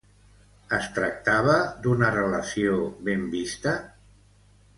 Es tractava d'una relació ben vista?